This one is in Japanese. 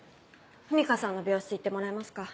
文香さんの病室行ってもらえますか？